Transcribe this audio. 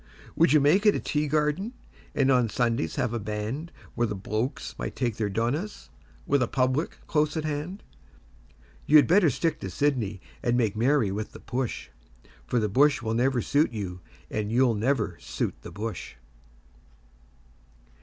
Would you make it a tea garden and on Sundays have a band Where the 'blokes' might take their 'donahs', with a 'public' close at hand? You had better stick to Sydney and make merry with the 'push', For the bush will never suit you, and you'll never suit the bush.